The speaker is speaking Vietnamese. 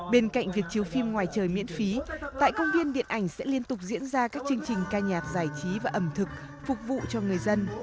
bên cạnh việc chiếu phim ngoài trời miễn phí tại công viên điện ảnh sẽ liên tục diễn ra các chương trình ca nhạc giải trí và ẩm thực phục vụ cho người dân